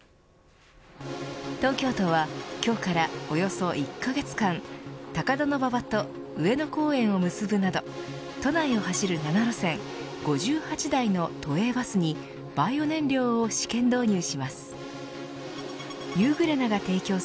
東京都は今日からおよそ１カ月間高田馬場と上野公園を結ぶなど都内を走る７路線５８台の都営バスにバイオ燃料を試験導入します。